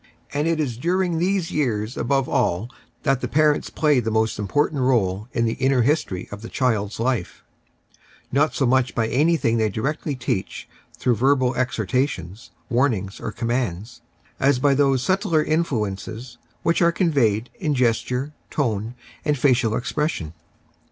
And it is during these years above all that the parents play the most important rfile in the inner history of the child's life, not so much by anything they directly teach through verbal exhortations, warnings, or commands, as by those subtler influences which are conveyed in gesture, tone, and facial expression.